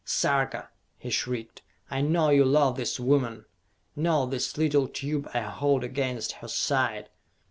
"Sarka," he shrieked, "I know you love this woman! Note this little tube I hold against her side.